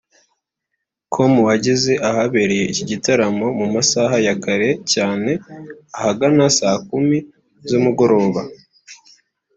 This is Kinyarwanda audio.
com wageze ahabereye iki gitaramo mu masaha ya kare cyane ahagana saa kumi z’umugoroba